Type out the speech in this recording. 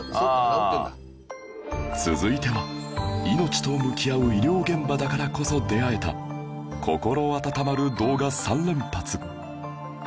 続いては命と向き合う医療現場だからこそ出会えた心温まる動画３連発